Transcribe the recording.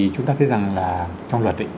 chúng ta thấy rằng trong luật